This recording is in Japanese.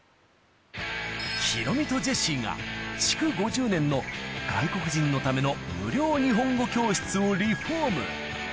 ヒロミとジェシーが築５０年の外国人のための無料日本語教室をリフォーム。